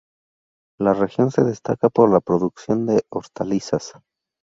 La región se destaca por la producción de hortalizas.